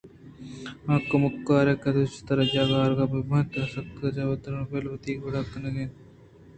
آکمکار ءِ قدّءُبستارءَ جاہ آرگ بہ بنت آسرپگ ءُ چانوگری بل وتی کہ وڑ ءَ کن اَنت